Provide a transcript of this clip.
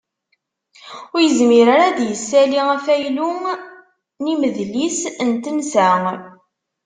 Ur yezmir ara ad d-yessali afaylu n imedlis n tensa.